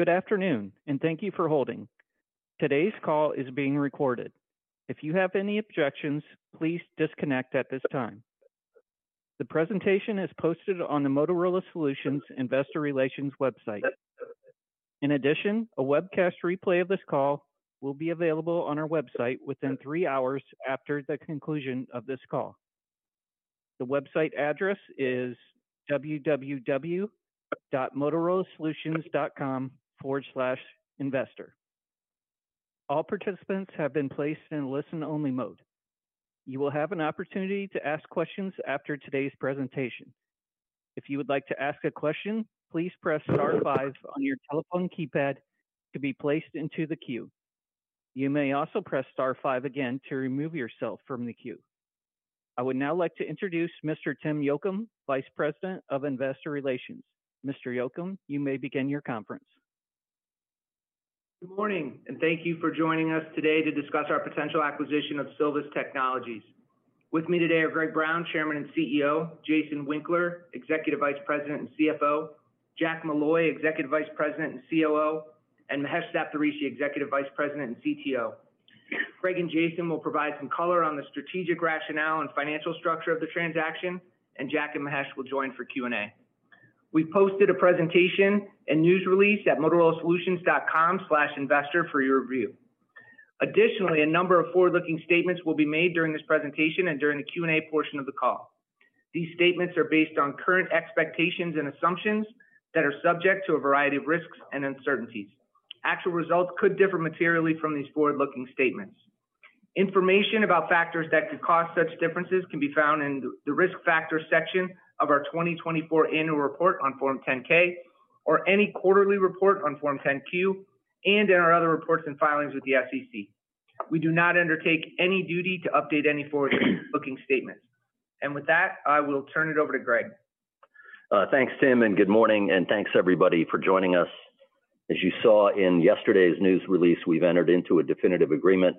Good afternoon, and thank you for holding. Today's call is being recorded. If you have any objections, please disconnect at this time. The presentation is posted on the Motorola Solutions Investor Relations website. In addition, a webcast replay of this call will be available on our website within three hours after the conclusion of this call. The website address is www.motorolasolutions.com/investor. All participants have been placed in listen-only mode. You will have an opportunity to ask questions after today's presentation. If you would like to ask a question, please press Star 5 on your telephone keypad to be placed into the queue. You may also press Star 5 again to remove yourself from the queue. I would now like to introduce Mr. Tim Yocum, Vice President of Investor Relations. Mr. Yocum, you may begin your conference. Good morning, and thank you for joining us today to discuss our potential acquisition of Silvus Technologies. With me today are Greg Brown, Chairman and CEO; Jason Winkler, Executive Vice President and CFO; Jack Molloy, Executive Vice President and COO; and Mahesh Saptharishi, Executive Vice President and CTO. Greg and Jason will provide some color on the strategic rationale and financial structure of the transaction, and Jack and Mahesh will join for Q&A. We posted a presentation and news release at motorolasolutions.com/investor for your review. Additionally, a number of forward-looking statements will be made during this presentation and during the Q&A portion of the call. These statements are based on current expectations and assumptions that are subject to a variety of risks and uncertainties. Actual results could differ materially from these forward-looking statements. Information about factors that could cause such differences can be found in the risk factor section of our 2024 annual report on Form 10-K or any quarterly report on Form 10-Q and in our other reports and filings with the SEC. We do not undertake any duty to update any forward-looking statements. With that, I will turn it over to Greg. Thanks, Tim, and good morning, and thanks, everybody, for joining us. As you saw in yesterday's news release, we've entered into a definitive agreement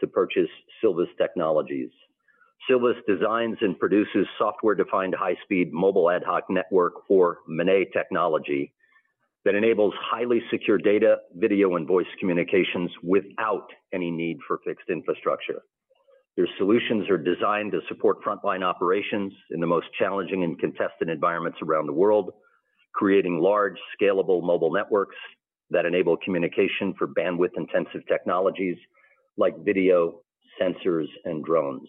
to purchase Silvus Technologies. Silvus designs and produces software-defined high-speed mobile ad hoc network, or MANET, technology that enables highly secure data, video, and voice communications without any need for fixed infrastructure. Their solutions are designed to support frontline operations in the most challenging and contested environments around the world, creating large, scalable mobile networks that enable communication for bandwidth-intensive technologies like video, sensors, and drones.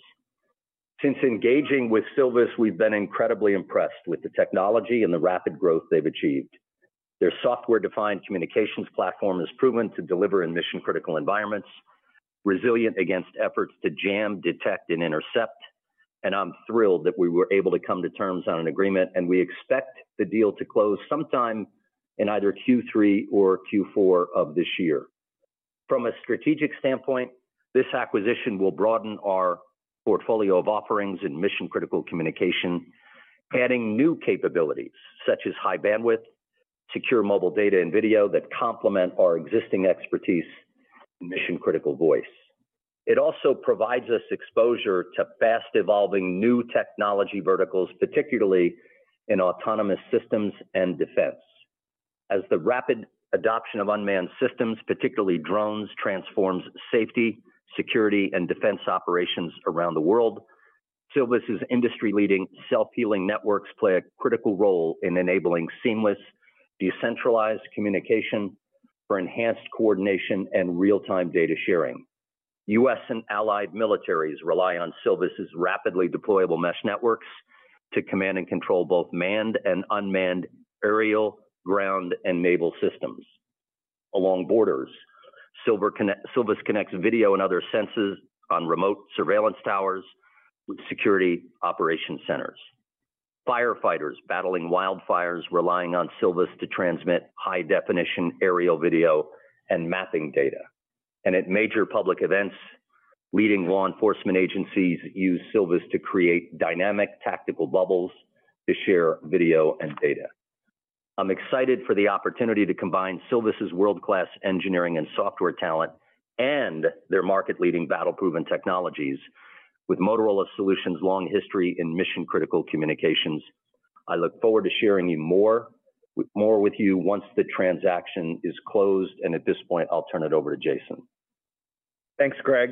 Since engaging with Silvus, we've been incredibly impressed with the technology and the rapid growth they've achieved. Their software-defined communications platform is proven to deliver in mission-critical environments, resilient against efforts to jam, detect, and intercept, and I'm thrilled that we were able to come to terms on an agreement, and we expect the deal to close sometime in either Q3 or Q4 of this year. From a strategic standpoint, this acquisition will broaden our portfolio of offerings in mission-critical communication, adding new capabilities such as high bandwidth, secure mobile data, and video that complement our existing expertise in mission-critical voice. It also provides us exposure to fast-evolving new technology verticals, particularly in autonomous systems and defense. As the rapid adoption of unmanned systems, particularly drones, transforms safety, security, and defense operations around the world, Silvus's industry-leading self-healing networks play a critical role in enabling seamless, decentralized communication for enhanced coordination and real-time data sharing. U.S. and allied militaries rely on Silvus's rapidly deployable mesh networks to command and control both manned and unmanned aerial, ground, and naval systems. Along borders, Silvus connects video and other sensors on remote surveillance towers with security operation centers. Firefighters battling wildfires rely on Silvus to transmit high-definition aerial video and mapping data. At major public events, leading law enforcement agencies use Silvus to create dynamic tactical bubbles to share video and data. I'm excited for the opportunity to combine Silvus's world-class engineering and software talent and their market-leading battle-proven technologies with Motorola Solutions' long history in mission-critical communications. I look forward to sharing more with you once the transaction is closed, and at this point, I'll turn it over to Jason. Thanks, Greg.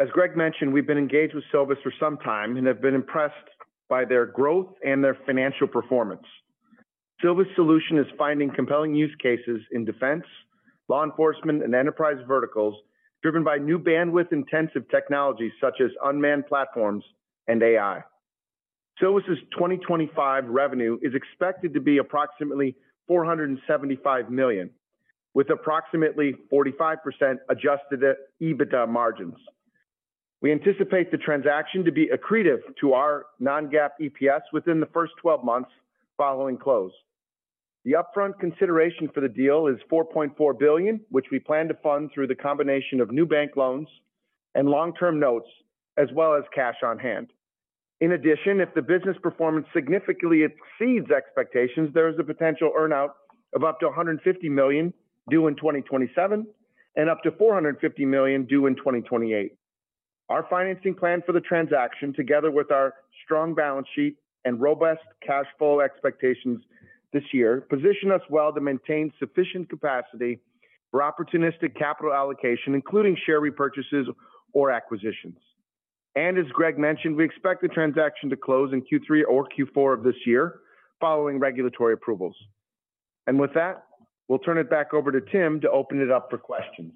As Greg mentioned, we've been engaged with Silvus for some time and have been impressed by their growth and their financial performance. Silvus Technologies is finding compelling use cases in defense, law enforcement, and enterprise verticals driven by new bandwidth-intensive technologies such as unmanned platforms and AI. Silvus's 2025 revenue is expected to be approximately $475 million, with approximately 45% adjusted EBITDA margins. We anticipate the transaction to be accretive to our non-GAAP EPS within the first 12 months following close. The upfront consideration for the deal is $4.4 billion, which we plan to fund through the combination of new bank loans and long-term notes, as well as cash on hand. In addition, if the business performance significantly exceeds expectations, there is a potential earnout of up to $150 million due in 2027 and up to $450 million due in 2028. Our financing plan for the transaction, together with our strong balance sheet and robust cash flow expectations this year, positions us well to maintain sufficient capacity for opportunistic capital allocation, including share repurchases or acquisitions. As Greg mentioned, we expect the transaction to close in Q3 or Q4 of this year following regulatory approvals. With that, we'll turn it back over to Tim to open it up for questions.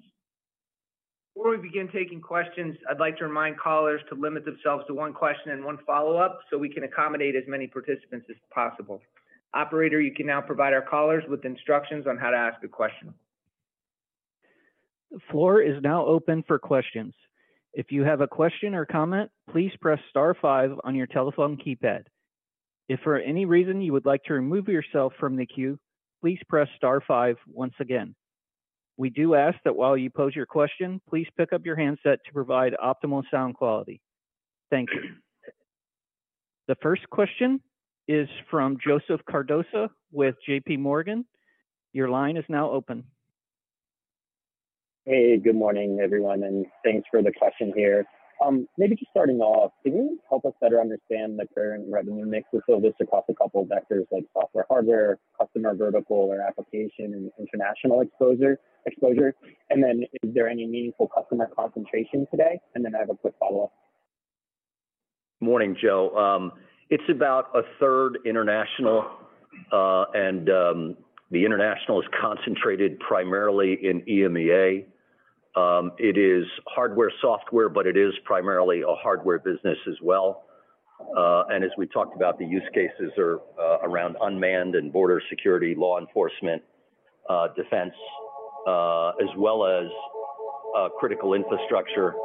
Before we begin taking questions, I'd like to remind callers to limit themselves to one question and one follow-up so we can accommodate as many participants as possible. Operator, you can now provide our callers with instructions on how to ask a question. The floor is now open for questions. If you have a question or comment, please press Star 5 on your telephone keypad. If for any reason you would like to remove yourself from the queue, please press Star 5 once again. We do ask that while you pose your question, please pick up your handset to provide optimal sound quality. Thank you. The first question is from Joseph Cardoso with JPMorgan. Your line is now open. Hey, good morning, everyone, and thanks for the question here. Maybe just starting off, can you help us better understand the current revenue mix of Silvus across a couple of vectors like software/hardware, customer vertical, or application and international exposure? Is there any meaningful customer concentration today? I have a quick follow-up. Morning, Joe. It's about a third international, and the international is concentrated primarily in EMEA. It is hardware/software, but it is primarily a hardware business as well. As we talked about, the use cases are around unmanned and border security, law enforcement, defense, as well as critical infrastructure.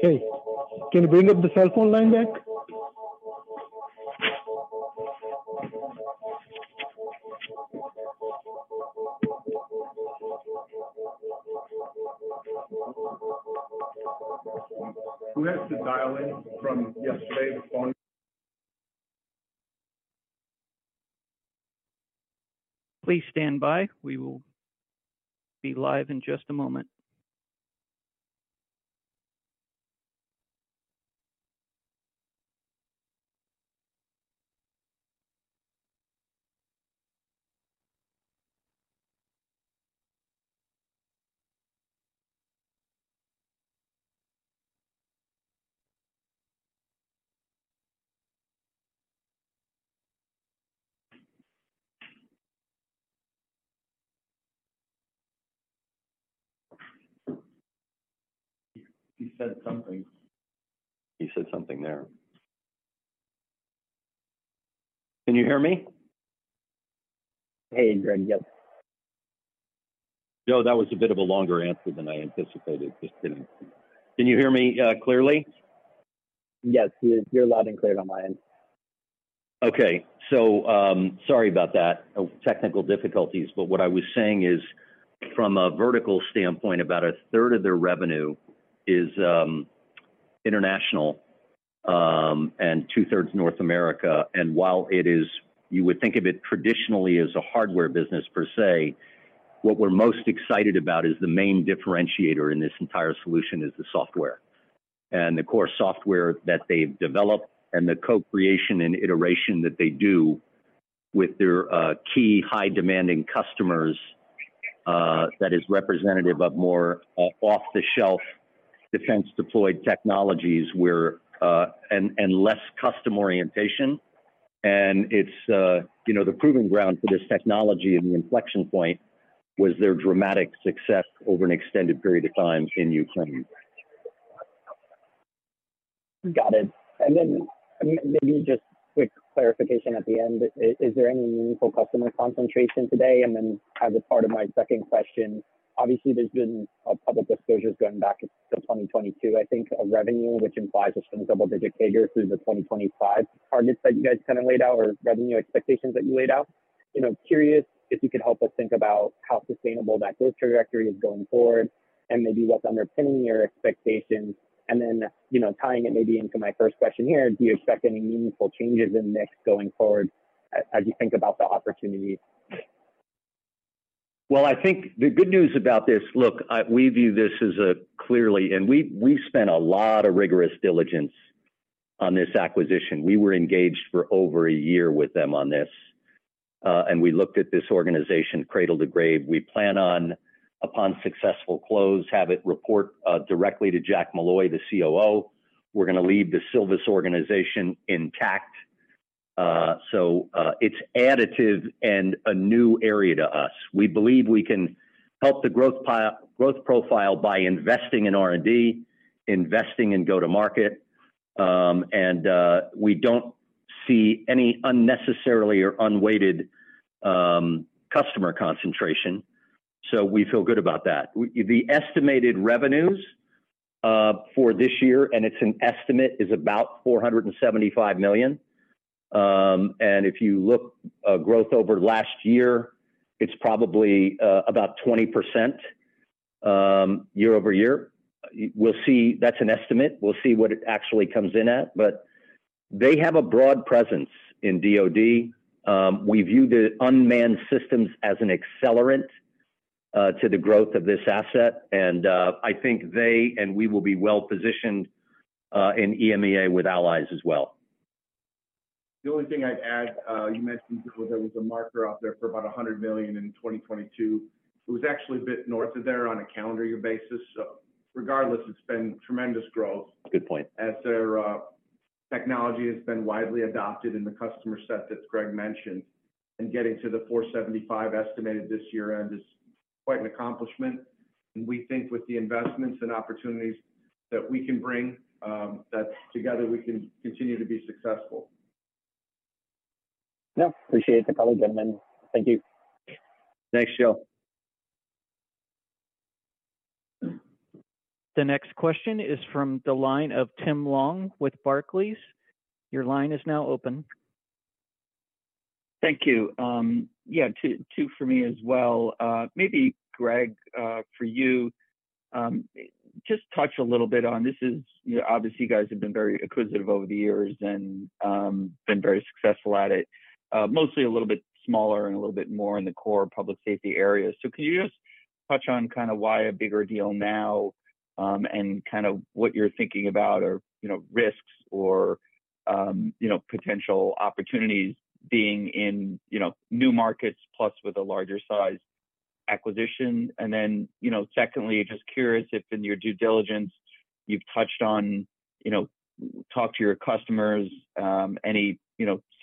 Hey, can you bring up the cell phone line back? Who has the dial-in from yesterday? The phone? Please stand by. We will be live in just a moment. He said something. He said something there. Can you hear me? Hey, Greg, yep. Joe, that was a bit of a longer answer than I anticipated. Just kidding. Can you hear me clearly? Yes, you're loud and clear on my end. Okay. Sorry about that, technical difficulties. What I was saying is, from a vertical standpoint, about a third of their revenue is international and two-thirds North America. While it is, you would think of it traditionally as a hardware business per se, what we're most excited about is the main differentiator in this entire solution is the software. Of course, software that they've developed and the co-creation and iteration that they do with their key high-demanding customers that is representative of more off-the-shelf defense-deployed technologies and less custom orientation. The proving ground for this technology and the inflection point was their dramatic success over an extended period of time in Ukraine. Got it. Maybe just quick clarification at the end. Is there any meaningful customer concentration today? As a part of my second question, obviously, there's been public disclosures going back to 2022, I think, of revenue, which implies a double-digit figure through the 2025 targets that you guys kind of laid out or revenue expectations that you laid out. Curious if you could help us think about how sustainable that growth trajectory is going forward and maybe what's underpinning your expectations. Tying it maybe into my first question here, do you expect any meaningful changes in the mix going forward as you think about the opportunity? I think the good news about this, look, we view this as a clearly, and we spent a lot of rigorous diligence on this acquisition. We were engaged for over a year with them on this. We looked at this organization cradle to grave. We plan on, upon successful close, having it report directly to Jack Molloy, the COO. We're going to leave the Silvus organization intact. It is additive and a new area to us. We believe we can help the growth profile by investing in R&D, investing in go-to-market. We do not see any unnecessarily or unweighted customer concentration. We feel good about that. The estimated revenues for this year, and it is an estimate, is about $475 million. If you look at growth over last year, it is probably about 20% year-over-year. That is an estimate. We will see what it actually comes in at. They have a broad presence in DOD. We view the unmanned systems as an accelerant to the growth of this asset. I think they and we will be well-positioned in EMEA with allies as well. The only thing I'd add, you mentioned there was a marker out there for about $100 million in 2022. It was actually a bit north of there on a calendar-year basis. Regardless, it's been tremendous growth. Good point. As their technology has been widely adopted in the customer set that Greg mentioned, getting to the $475 million estimated this year-end is quite an accomplishment. We think with the investments and opportunities that we can bring, together we can continue to be successful. Yeah. Appreciate it. Thank you. Thanks, Joe. The next question is from the line of Tim Long with Barclays. Your line is now open. Thank you. Yeah, two for me as well. Maybe, Greg, for you, just touch a little bit on this is obviously you guys have been very acquisitive over the years and been very successful at it, mostly a little bit smaller and a little bit more in the core public safety area. Can you just touch on kind of why a bigger deal now and kind of what you're thinking about or risks or potential opportunities being in new markets plus with a larger-sized acquisition? Secondly, just curious if in your due diligence, you've touched on, talked to your customers, any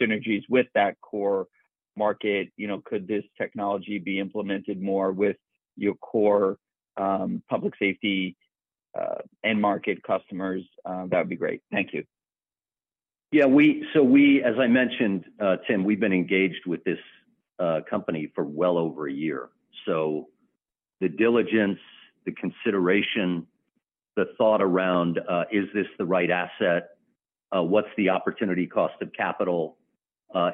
synergies with that core market. Could this technology be implemented more with your core public safety and market customers? That would be great. Thank you. Yeah. We, as I mentioned, Tim, we've been engaged with this company for well over a year. The diligence, the consideration, the thought around, is this the right asset? What's the opportunity cost of capital?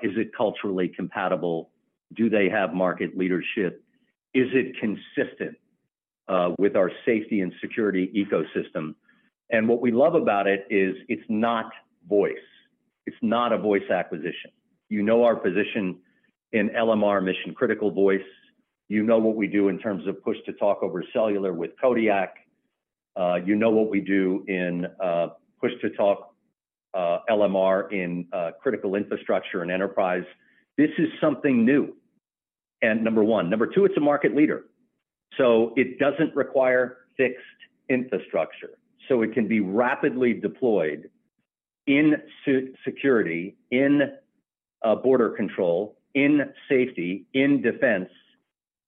Is it culturally compatible? Do they have market leadership? Is it consistent with our safety and security ecosystem? What we love about it is it's not voice. It's not a voice acquisition. You know our position in LMR Mission Critical Voice. You know what we do in terms of push-to-talk over cellular with Kodiak. You know what we do in push-to-talk LMR in critical infrastructure and enterprise. This is something new, number one. Number two, it's a market leader. It doesn't require fixed infrastructure. It can be rapidly deployed in security, in border control, in safety, in defense.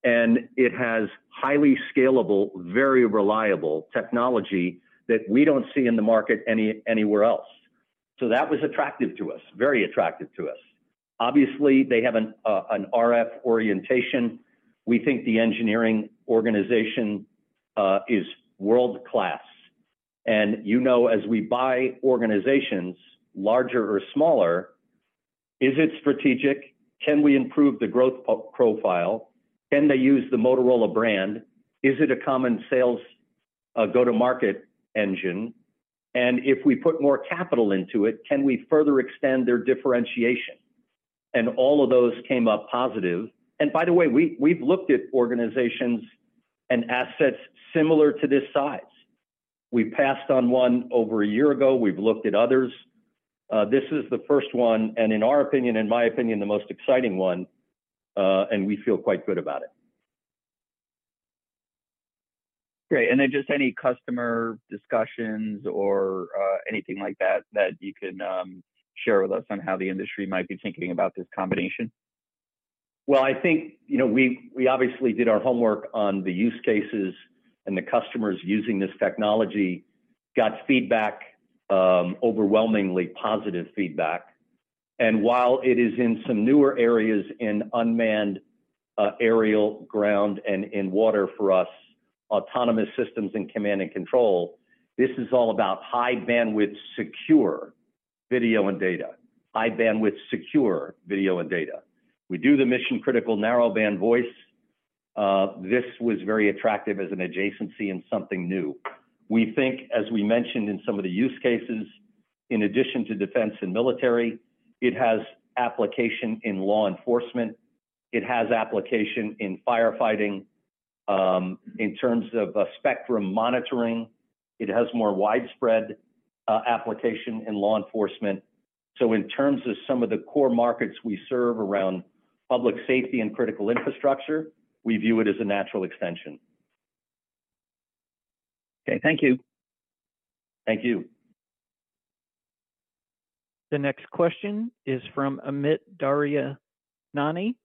It has highly scalable, very reliable technology that we don't see in the market anywhere else. That was attractive to us, very attractive to us. Obviously, they have an RF orientation. We think the engineering organization is world-class. As we buy organizations, larger or smaller, is it strategic? Can we improve the growth profile? Can they use the Motorola brand? Is it a common sales go-to-market engine? If we put more capital into it, can we further extend their differentiation? All of those came up positive. By the way, we've looked at organizations and assets similar to this size. We passed on one over a year ago. We've looked at others. This is the first one, and in our opinion, in my opinion, the most exciting one. We feel quite good about it. Great. Just any customer discussions or anything like that that you can share with us on how the industry might be thinking about this combination? I think we obviously did our homework on the use cases and the customers using this technology, got feedback, overwhelmingly positive feedback. While it is in some newer areas in unmanned aerial, ground, and in water for us, autonomous systems and command and control, this is all about high-bandwidth secure video and data, high-bandwidth secure video and data. We do the mission-critical narrowband voice. This was very attractive as an adjacency and something new. We think, as we mentioned in some of the use cases, in addition to defense and military, it has application in law enforcement. It has application in firefighting in terms of spectrum monitoring. It has more widespread application in law enforcement. In terms of some of the core markets we serve around public safety and critical infrastructure, we view it as a natural extension. Okay. Thank you. Thank you. The next question is from Amit Daryanani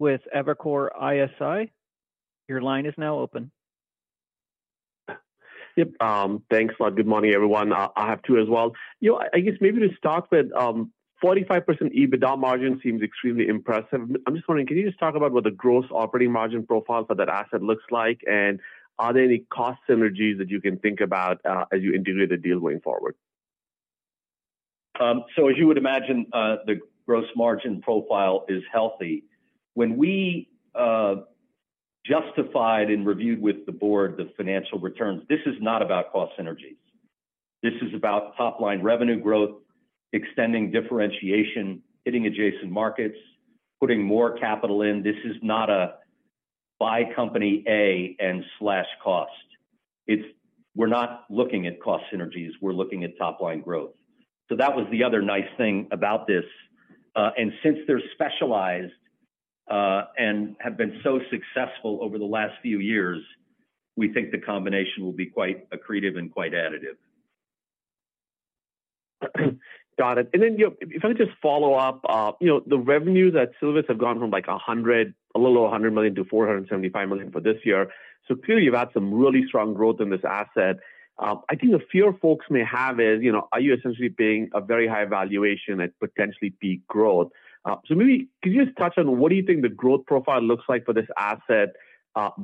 with Evercore ISI. Your line is now open. Yep. Thanks. Good morning, everyone. I have two as well. I guess maybe to start with, 45% EBITDA margin seems extremely impressive. I'm just wondering, can you just talk about what the gross operating margin profile for that asset looks like? And are there any cost synergies that you can think about as you integrate the deal going forward? As you would imagine, the gross margin profile is healthy. When we justified and reviewed with the board the financial returns, this is not about cost synergies. This is about top-line revenue growth, extending differentiation, hitting adjacent markets, putting more capital in. This is not a buy company A and slash cost. We're not looking at cost synergies. We're looking at top-line growth. That was the other nice thing about this. Since they're specialized and have been so successful over the last few years, we think the combination will be quite accretive and quite additive. Got it. If I could just follow up, the revenue that Silvus have gone from a little over $100 million to $475 million for this year. Clearly, you've had some really strong growth in this asset. I think the fear folks may have is, are you essentially paying a very high valuation at potentially peak growth? Maybe could you just touch on what do you think the growth profile looks like for this asset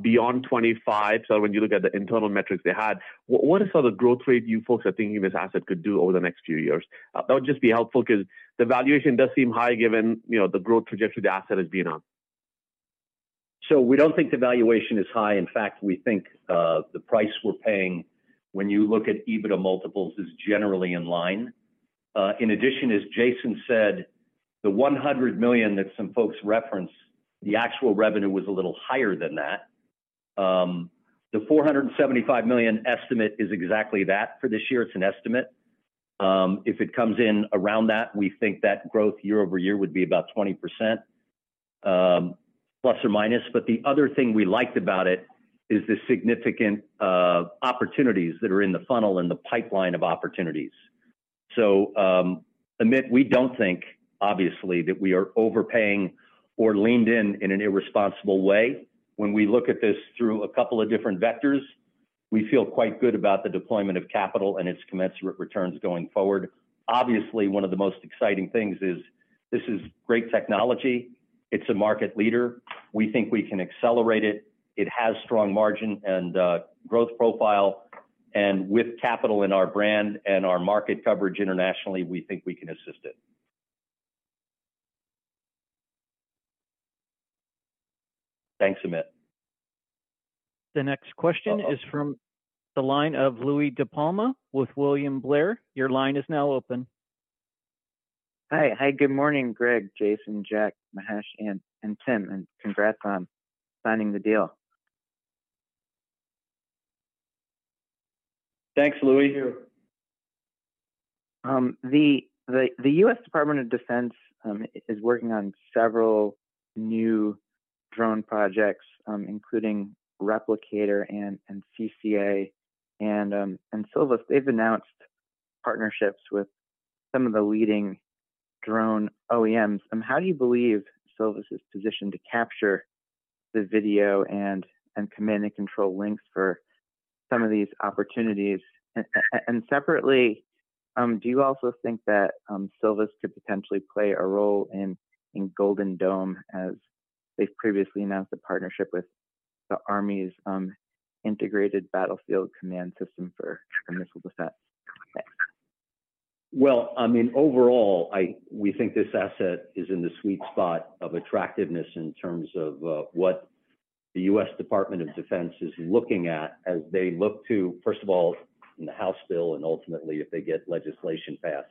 beyond 2025? When you look at the internal metrics they had, what are some of the growth rates you folks are thinking this asset could do over the next few years? That would just be helpful because the valuation does seem high given the growth trajectory the asset has been on. We do not think the valuation is high. In fact, we think the price we are paying when you look at EBITDA multiples is generally in line. In addition, as Jason said, the $100 million that some folks referenced, the actual revenue was a little higher than that. The $475 million estimate is exactly that for this year. It is an estimate. If it comes in around that, we think that growth year over year would be about 20% plus or minus. The other thing we liked about it is the significant opportunities that are in the funnel and the pipeline of opportunities. Amit, we do not think, obviously, that we are overpaying or leaned in in an irresponsible way. When we look at this through a couple of different vectors, we feel quite good about the deployment of capital and its commensurate returns going forward. Obviously, one of the most exciting things is this is great technology. It's a market leader. We think we can accelerate it. It has strong margin and growth profile. With capital in our brand and our market coverage internationally, we think we can assist it. Thanks, Amit. The next question is from the line of Louie DiPalma with William Blair. Your line is now open. Hi. Good morning, Greg, Jason, Jack, Mahesh, and Tim. Congrats on signing the deal. Thanks, Louis. The U.S. Department of Defense is working on several new drone projects, including Replicator and CCA. Silvus, they've announced partnerships with some of the leading drone OEMs. How do you believe Silvus is positioned to capture the video and command and control links for some of these opportunities? Separately, do you also think that Silvus could potentially play a role in Golden Dome as they've previously announced a partnership with the Army's Integrated Battlefield Command System for missile defense? I mean, overall, we think this asset is in the sweet spot of attractiveness in terms of what the U.S. Department of Defense is looking at as they look to, first of all, in the House bill, and ultimately, if they get legislation passed,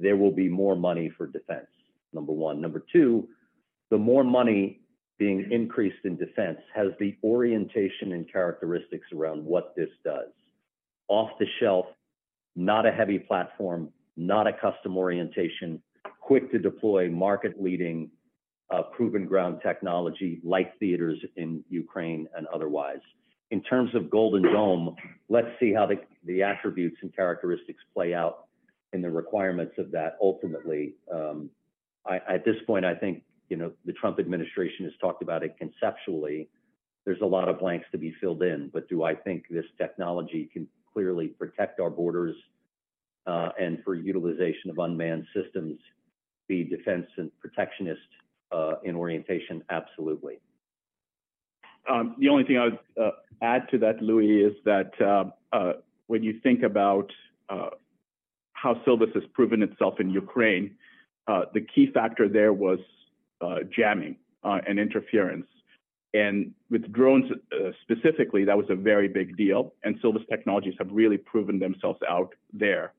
there will be more money for defense, number one. Number two, the more money being increased in defense has the orientation and characteristics around what this does. Off-the-shelf, not a heavy platform, not a custom orientation, quick to deploy, market-leading, proven ground technology, light theaters in Ukraine and otherwise. In terms of Golden Dome, let's see how the attributes and characteristics play out in the requirements of that ultimately. At this point, I think the Trump administration has talked about it conceptually. There's a lot of blanks to be filled in. Do I think this technology can clearly protect our borders and for utilization of unmanned systems, be defense and protectionist in orientation? Absolutely. The only thing I would add to that, Louis, is that when you think about how Silvus has proven itself in Ukraine, the key factor there was jamming and interference. With drones specifically, that was a very big deal. Silvus Technologies have really proven themselves out there.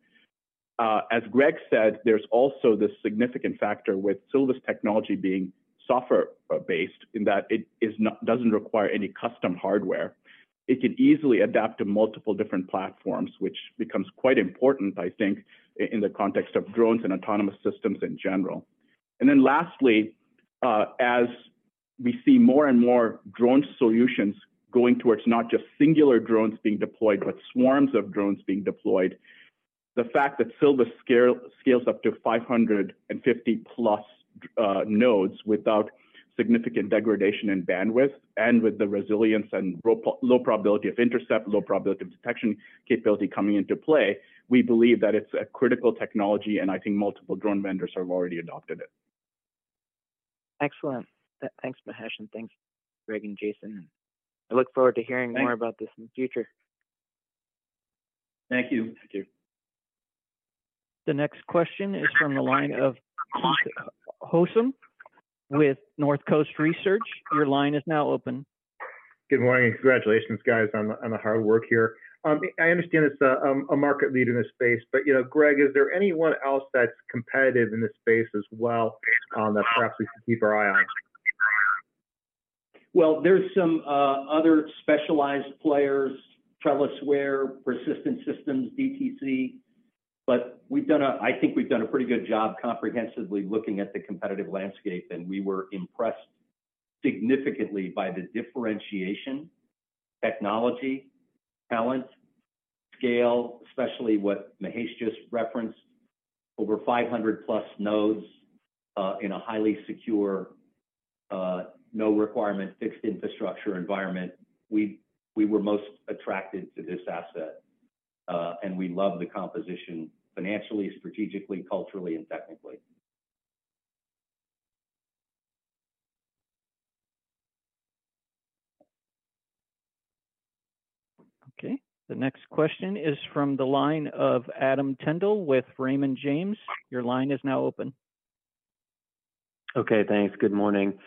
As Greg said, there is also this significant factor with Silvus Technologies being software-based in that it does not require any custom hardware. It can easily adapt to multiple different platforms, which becomes quite important, I think, in the context of drones and autonomous systems in general. Lastly, as we see more and more drone solutions going towards not just singular drones being deployed, but swarms of drones being deployed, the fact that Silvus scales up to 550-plus nodes without significant degradation in bandwidth and with the resilience and low probability of intercept, low probability of detection capability coming into play, we believe that it's a critical technology. I think multiple drone vendors have already adopted it. Excellent. Thanks, Mahesh. Thanks, Greg and Jason. I look forward to hearing more about this in the future. Thank you. Thank you. The next question is from the line of Houssam with Northcoast Research. Your line is now open. Good morning. Congratulations, guys. I'm a hard work here. I understand it's a market leader in this space. Greg, is there anyone else that's competitive in this space as well that perhaps we should keep our eye on? There are some other specialized players: TrellisWare, Persistent Systems, DTC. I think we've done a pretty good job comprehensively looking at the competitive landscape. We were impressed significantly by the differentiation, technology, talent, scale, especially what Mahesh just referenced, over 500-plus nodes in a highly secure, no-requirement fixed infrastructure environment. We were most attracted to this asset. We love the composition financially, strategically, culturally, and technically. Okay. The next question is from the line of Adam Tendler with Raymond James. Your line is now open. Okay. Thanks. Good morning.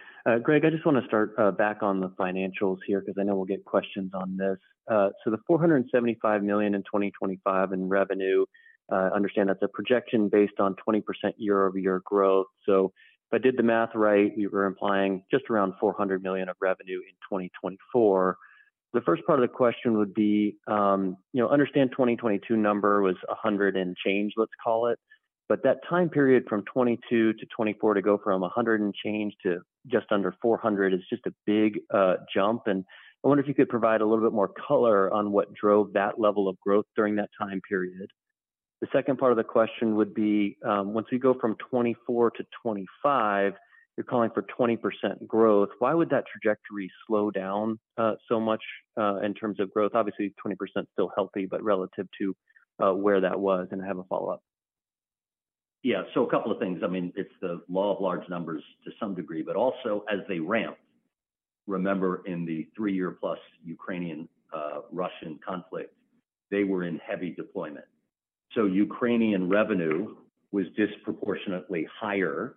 Greg, I just want to start back on the financials here because I know we'll get questions on this. So the $475 million in 2025 in revenue, I understand that's a projection based on 20% year-over-year growth. If I did the math right, we were implying just around $400 million of revenue in 2024. The first part of the question would be, I understand 2022 number was 100 and change, let's call it. That time period from 2022 to 2024 to go from 100 and change to just under 400 is just a big jump. I wonder if you could provide a little bit more color on what drove that level of growth during that time period. The second part of the question would be once we go from 2024 to 2025, you're calling for 20% growth. Why would that trajectory slow down so much in terms of growth? Obviously, 20% still healthy, but relative to where that was. I have a follow-up. Yeah. So a couple of things. I mean, it's the law of large numbers to some degree. Also, as they ramped, remember in the three-year-plus Ukrainian-Russian conflict, they were in heavy deployment. So Ukrainian revenue was disproportionately higher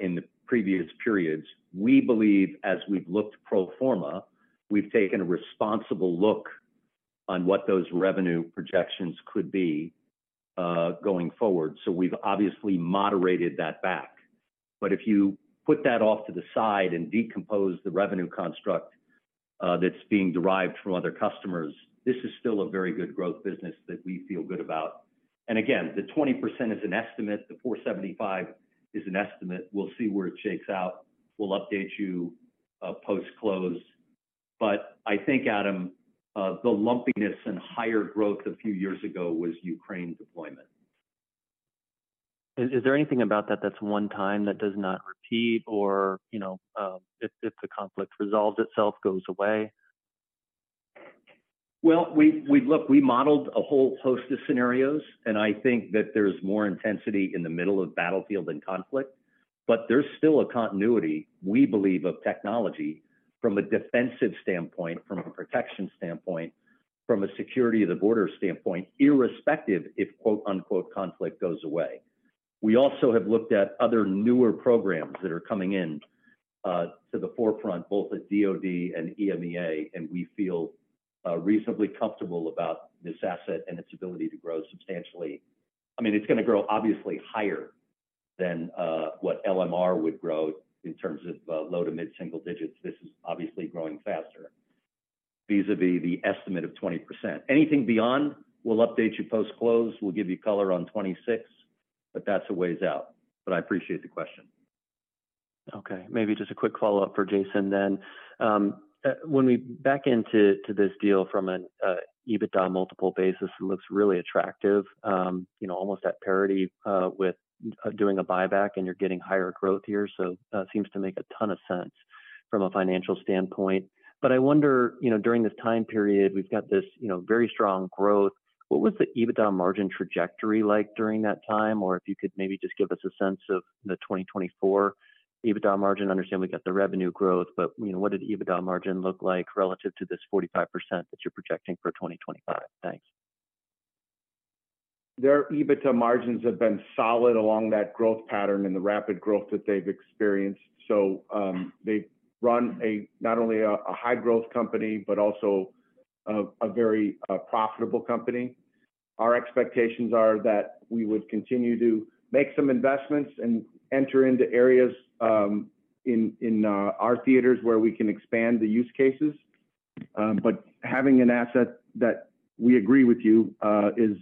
in the previous periods. We believe, as we've looked pro forma, we've taken a responsible look on what those revenue projections could be going forward. We've obviously moderated that back. If you put that off to the side and decompose the revenue construct that's being derived from other customers, this is still a very good growth business that we feel good about. Again, the 20% is an estimate. The $475 million is an estimate. We'll see where it shakes out. We'll update you post-close. I think, Adam, the lumpiness and higher growth a few years ago was Ukraine deployment. Is there anything about that that's one-time that does not repeat or if the conflict resolves itself, goes away? Look, we modeled a whole host of scenarios. I think that there's more intensity in the middle of battlefield and conflict. There is still a continuity, we believe, of technology from a defensive standpoint, from a protection standpoint, from a security of the border standpoint, irrespective if "conflict goes away." We also have looked at other newer programs that are coming into the forefront, both at DOD and EMEA. We feel reasonably comfortable about this asset and its ability to grow substantially. I mean, it's going to grow obviously higher than what LMR would grow in terms of low to mid-single digits. This is obviously growing faster vis-à-vis the estimate of 20%. Anything beyond, we'll update you post-close. We'll give you color on 2026. That is a ways out. I appreciate the question. Okay. Maybe just a quick follow-up for Jason then. When we back into this deal from an EBITDA multiple basis, it looks really attractive, almost at parity with doing a buyback. And you're getting higher growth here. It seems to make a ton of sense from a financial standpoint. I wonder, during this time period, we've got this very strong growth. What was the EBITDA margin trajectory like during that time? Or if you could maybe just give us a sense of the 2024 EBITDA margin. I understand we've got the revenue growth. What did the EBITDA margin look like relative to this 45% that you're projecting for 2025? Thanks. Their EBITDA margins have been solid along that growth pattern and the rapid growth that they've experienced. They run not only a high-growth company but also a very profitable company. Our expectations are that we would continue to make some investments and enter into areas in our theaters where we can expand the use cases. Having an asset that we agree with you is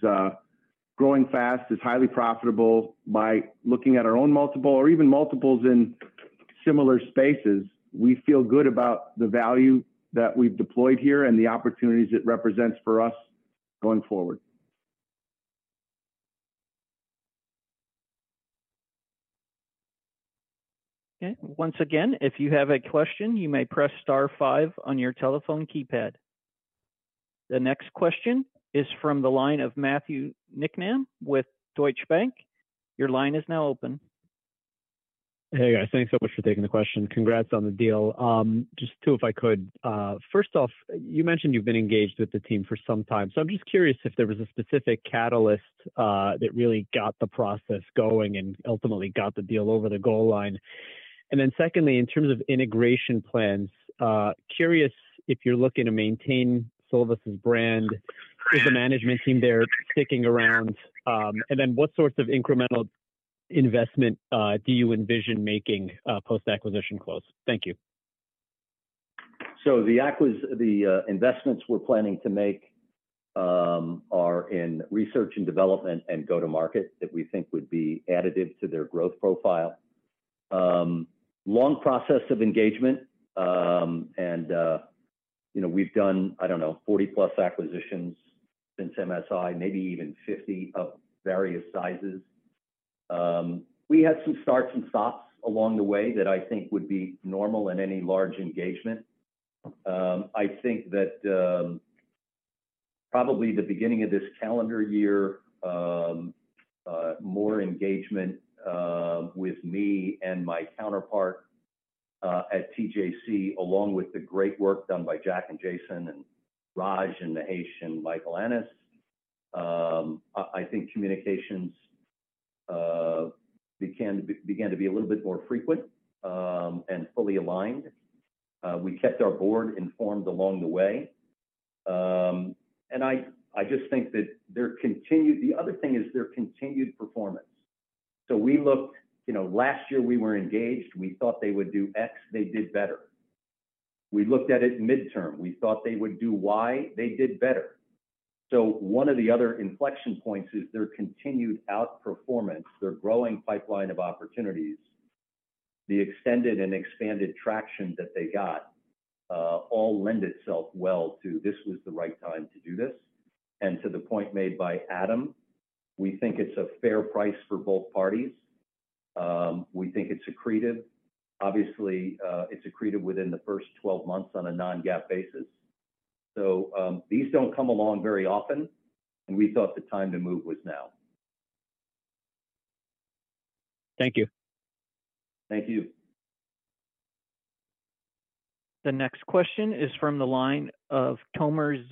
growing fast, is highly profitable by looking at our own multiple or even multiples in similar spaces, we feel good about the value that we've deployed here and the opportunities it represents for us going forward. Okay. Once again, if you have a question, you may press star 5 on your telephone keypad. The next question is from the line of Matthew Niknam with Deutsche Bank. Your line is now open. Hey, guys. Thanks so much for taking the question. Congrats on the deal. Just two, if I could. First off, you mentioned you've been engaged with the team for some time. I'm just curious if there was a specific catalyst that really got the process going and ultimately got the deal over the goal line. Secondly, in terms of integration plans, curious if you're looking to maintain Silvus's brand, is the management team there sticking around? What sorts of incremental investment do you envision making post-acquisition close? Thank you. The investments we're planning to make are in research and development and go-to-market that we think would be additive to their growth profile. Long process of engagement. We've done, I don't know, 40-plus acquisitions since MSI, maybe even 50 of various sizes. We had some starts and stops along the way that I think would be normal in any large engagement. I think that probably the beginning of this calendar year, more engagement with me and my counterpart at TJC, along with the great work done by Jack and Jason and Raj and Mahesh and Michael Ennis, communications began to be a little bit more frequent and fully aligned. We kept our board informed along the way. I just think that the other thing is their continued performance. We looked last year we were engaged. We thought they would do X. They did better. We looked at it midterm. We thought they would do Y. They did better. One of the other inflection points is their continued outperformance, their growing pipeline of opportunities, the extended and expanded traction that they got all lend itself well to this was the right time to do this. To the point made by Adam, we think it's a fair price for both parties. We think it's accretive. Obviously, it's accretive within the first 12 months on a non-GAAP basis. These do not come along very often. We thought the time to move was now. Thank you. Thank you. The next question is from the line of Tomer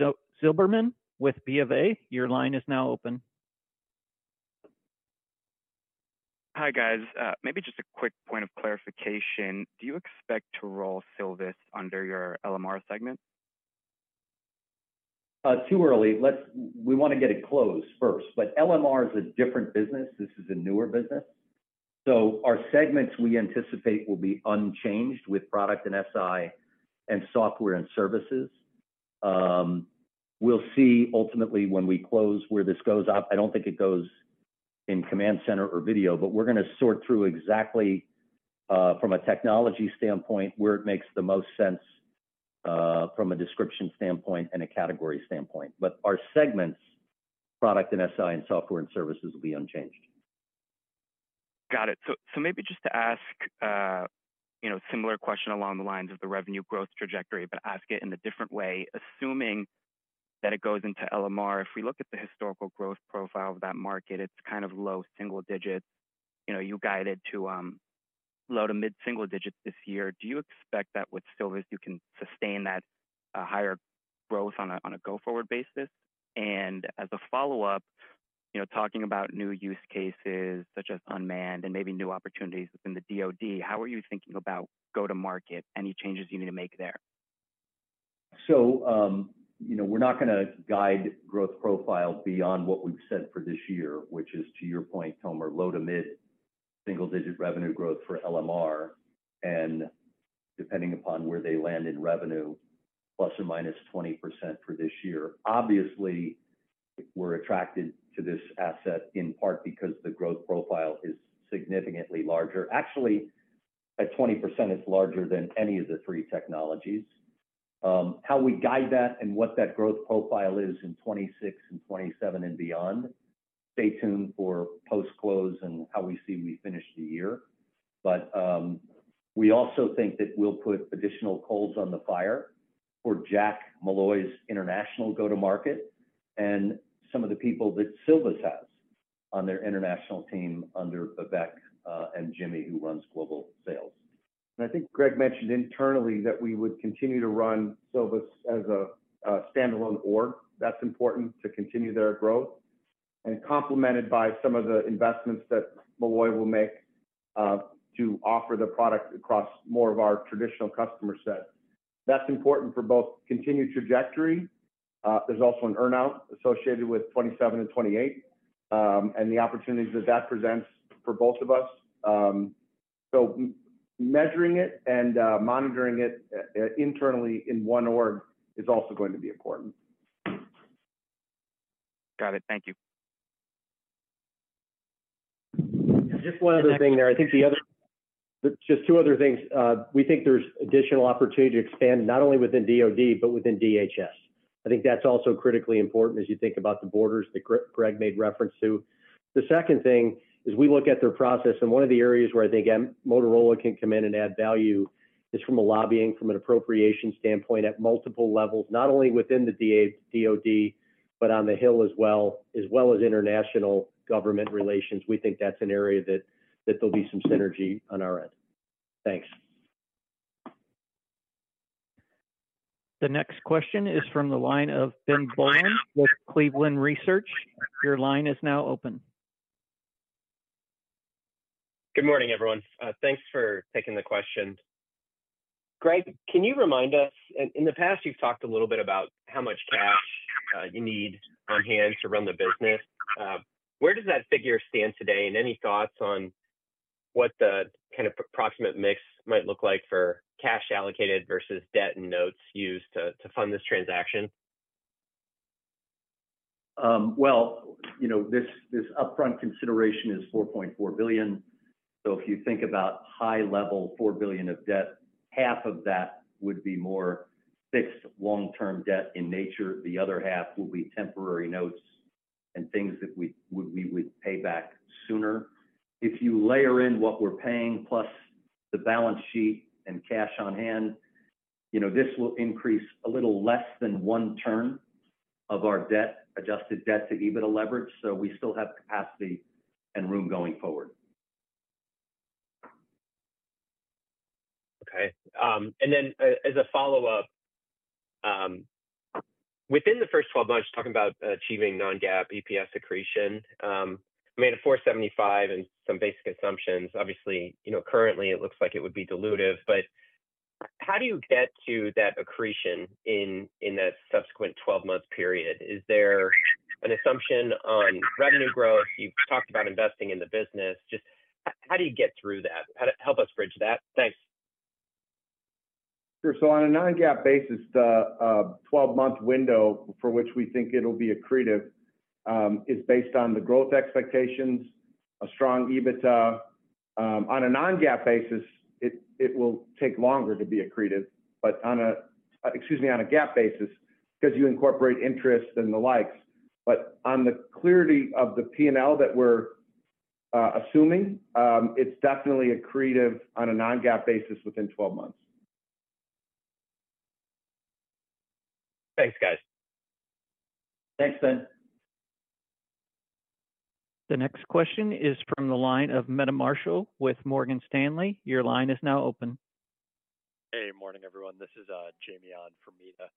Zilberman with Bank of America. Your line is now open. Hi, guys. Maybe just a quick point of clarification. Do you expect to roll Silvus under your LMR segment? Too early. We want to get it closed first. LMR is a different business. This is a newer business. Our segments we anticipate will be unchanged with product and SI and software and services. We'll see ultimately when we close where this goes up. I don't think it goes in command center or video. We're going to sort through exactly from a technology standpoint where it makes the most sense from a description standpoint and a category standpoint. Our segments, product and SI and software and services will be unchanged. Got it. Maybe just to ask a similar question along the lines of the revenue growth trajectory, but ask it in a different way. Assuming that it goes into LMR, if we look at the historical growth profile of that market, it's kind of low single digits. You guided to low to mid-single digits this year. Do you expect that with Silvus, you can sustain that higher growth on a go-forward basis? As a follow-up, talking about new use cases such as unmanned and maybe new opportunities within the DOD, how are you thinking about go-to-market, any changes you need to make there? We're not going to guide growth profile beyond what we've said for this year, which is, to your point, Tomer, low to mid-single digit revenue growth for LMR and depending upon where they land in revenue, plus or minus 20% for this year. Obviously, we're attracted to this asset in part because the growth profile is significantly larger. Actually, at 20%, it's larger than any of the three technologies. How we guide that and what that growth profile is in 2026 and 2027 and beyond, stay tuned for post-close and how we see we finish the year. We also think that we'll put additional coals on the fire for Jack Molloy's international go-to-market and some of the people that Silvus has on their international team under Bevek and Jimmy, who runs global sales. I think Greg mentioned internally that we would continue to run Silvus as a standalone org. That's important to continue their growth and complemented by some of the investments that Molloy will make to offer the product across more of our traditional customer set. That's important for both continued trajectory. There's also an earnout associated with 2027 and 2028 and the opportunities that that presents for both of us. Measuring it and monitoring it internally in one org is also going to be important. Got it. Thank you. Just one other thing there. I think the other just two other things. We think there's additional opportunity to expand not only within DOD, but within DHS. I think that's also critically important as you think about the borders that Greg made reference to. The second thing is we look at their process. One of the areas where I think Motorola can come in and add value is from a lobbying, from an appropriation standpoint at multiple levels, not only within the DOD, but on the Hill as well, as well as international government relations. We think that's an area that there'll be some synergy on our end. Thanks. The next question is from the line of Ben Bowen with Cleveland Research. Your line is now open. Good morning, everyone. Thanks for taking the question. Greg, can you remind us in the past, you've talked a little bit about how much cash you need on hand to run the business. Where does that figure stand today? Any thoughts on what the kind of approximate mix might look like for cash allocated versus debt and notes used to fund this transaction? This upfront consideration is $4.4 billion. If you think about high-level $4 billion of debt, half of that would be more fixed long-term debt in nature. The other half will be temporary notes and things that we would pay back sooner. If you layer in what we're paying plus the balance sheet and cash on hand, this will increase a little less than one turn of our adjusted debt to EBITDA leverage. We still have capacity and room going forward. Okay. Then as a follow-up, within the first 12 months, talking about achieving non-GAAP EPS accretion, we made a $4.75 and some basic assumptions. Obviously, currently, it looks like it would be dilutive. How do you get to that accretion in that subsequent 12-month period? Is there an assumption on revenue growth? You've talked about investing in the business. Just how do you get through that? Help us bridge that. Thanks. Sure. On a non-GAAP basis, the 12-month window for which we think it'll be accretive is based on the growth expectations, a strong EBITDA. On a non-GAAP basis, it will take longer to be accretive. Excuse me, on a GAAP basis, because you incorporate interest and the likes. On the clarity of the P&L that we're assuming, it's definitely accretive on a non-GAAP basis within 12 months. Thanks, guys. Thanks, Ben. The next question is from the line of Meta Marshall with Morgan Stanley. Your line is now open. Hey, morning, everyone. This is Jamie on for Meta.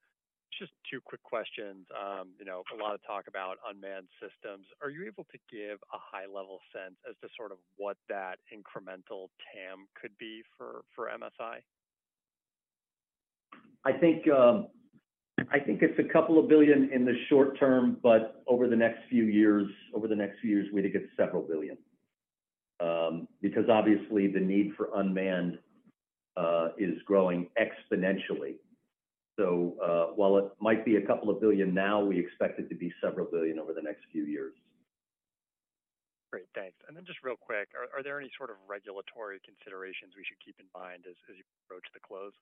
Just two quick questions. A lot of talk about unmanned systems. Are you able to give a high-level sense as to sort of what that incremental TAM could be for MSI? I think it's a couple of billion in the short term. Over the next few years, we think it's several billion. Because obviously, the need for unmanned is growing exponentially. While it might be a couple of billion now, we expect it to be several billion over the next few years. Great. Thanks. And then just real quick, are there any sort of regulatory considerations we should keep in mind as you approach the close?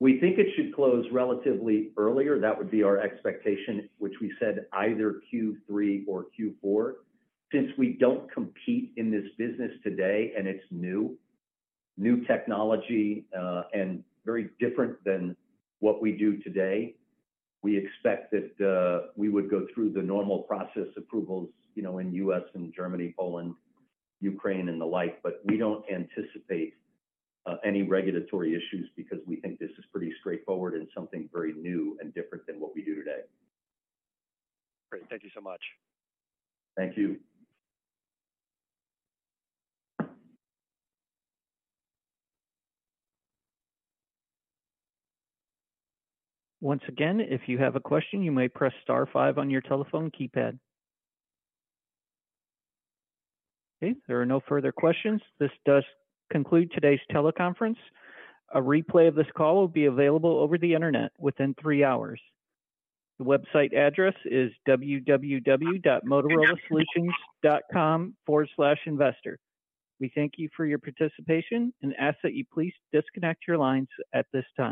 We think it should close relatively earlier. That would be our expectation, which we said either Q3 or Q4. Since we do not compete in this business today and it is new, new technology and very different than what we do today, we expect that we would go through the normal process approvals in the U.S. and Germany, Poland, Ukraine, and the like. We do not anticipate any regulatory issues because we think this is pretty straightforward and something very new and different than what we do today. Great. Thank you so much. Thank you. Once again, if you have a question, you may press star 5 on your telephone keypad. Okay. There are no further questions. This does conclude today's teleconference. A replay of this call will be available over the internet within three hours. The website address is www.motorolasolutions.com/investor. We thank you for your participation and ask that you please disconnect your lines at this time.